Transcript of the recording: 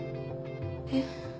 えっ？